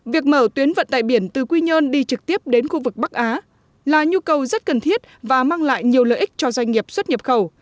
việc mở tuyến vận tải biển từ quy nhơn đi trực tiếp đến khu vực bắc á là nhu cầu rất cần thiết và mang lại nhiều lợi ích cho doanh nghiệp xuất nhập khẩu